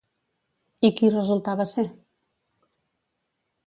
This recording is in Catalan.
I qui resultava ser?